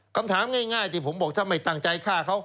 คำถามง่ายที่ผมบอกถ้าไม่ตั้งใจฆ่าเขา